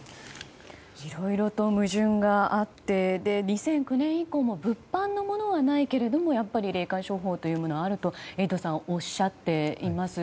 いろいろと矛盾があり２００９年以降も物販というものはないけれども霊感商法というものはあるとエイトさんはおっしゃっています。